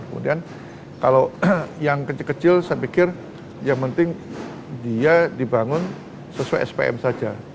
kemudian kalau yang kecil kecil saya pikir yang penting dia dibangun sesuai spm saja